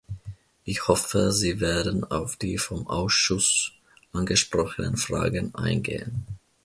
Ich hoffe, Sie werden auf die vom Ausschuss angesprochenen Fragen eingehen.